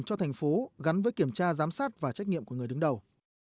cho thành phố gắn với kiểm tra giám sát và trách nhiệm của người đứng đầu